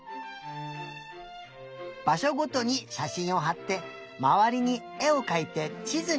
ばしょごとにしゃしんをはってまわりにえをかいてちずに。